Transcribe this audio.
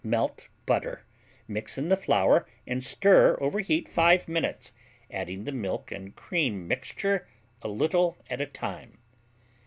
Melt butter, mix in the flour and stir over heat 5 minutes, adding the milk and cream mixture a little at a time.